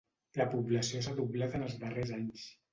La població s'ha doblat en els darrers anys.